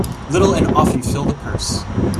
Little and often fill the purse.